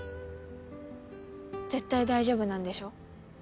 絶対大丈夫なんでしょ？